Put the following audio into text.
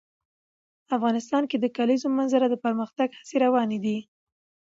افغانستان کې د د کلیزو منظره د پرمختګ هڅې روانې دي.